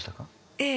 ええ。